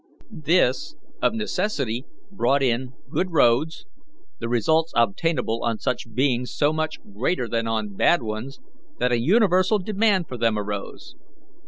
This, of necessity brought in good roads, the results obtainable on such being so much greater than on bad ones that a universal demand for them arose.